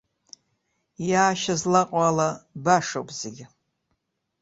Иаашьа злаҟоу ала, башоуп зегь.